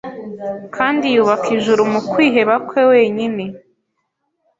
Kandi yubaka ijuru mu kwiheba kwe wenyine